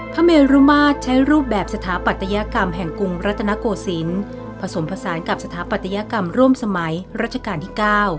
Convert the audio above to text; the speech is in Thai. เมรุมาตรใช้รูปแบบสถาปัตยกรรมแห่งกรุงรัตนโกศิลป์ผสมผสานกับสถาปัตยกรรมร่วมสมัยรัชกาลที่๙